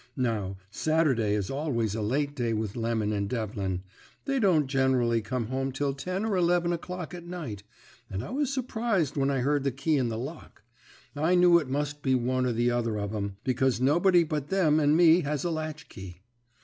Now, Saturday is always a late day with Lemon and Devlin; they don't generally come home till ten or eleven o'clock at night, and I was surprised when I heard the key in the lock. I knew it must be one or the other of 'em, because nobody but them and me has a latchkey.